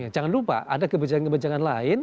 jangan lupa ada kebijakan kebijakan lain